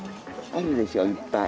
あるでしょいっぱい。